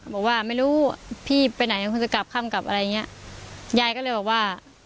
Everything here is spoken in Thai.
บอกว่าไม่รู้พี่ไปไหนคุณจะกลับค่ำกลับอะไรอย่างเงี้ยยายก็เลยบอกว่า